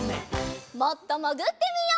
もっともぐってみよう。